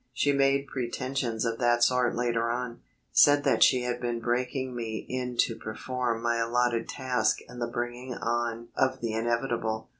She made pretensions of that sort later on; said that she had been breaking me in to perform my allotted task in the bringing on of the inevitable.